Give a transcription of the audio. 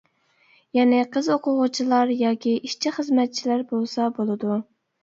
يەنى قىز ئوقۇغۇچىلار ياكى ئىشچى-خىزمەتچىلەر بولسا بولىدۇ.